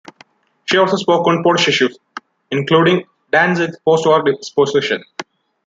She also spoke on Polish issues, including Danzig's post-war disposition.